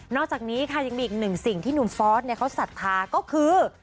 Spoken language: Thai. นอกจากนี้ค่ะยังมีอีกหนึ่งสิ่งที่น้องฟอสเนี่ยเขาสัทธาก็คือ